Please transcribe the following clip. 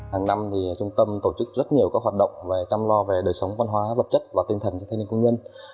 hàng năm trung tâm tổ chức rất nhiều các hoạt động về chăm lo về đời sống văn hóa vật chất và tinh thần cho thanh niên công nhân